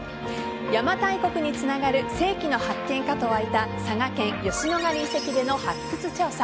邪馬台国につながる世紀の発見かと沸いた佐賀県吉野ヶ里遺跡での発掘調査。